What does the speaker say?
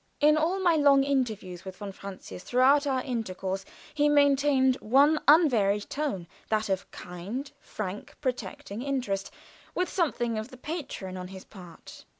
In all my long interviews with von Francius throughout our intercourse he maintained one unvaried tone, that of a kind, frank, protecting interest, with something of the patron on his part.